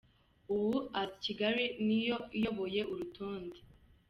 ubu as Kigali niyo iyoboye urutonde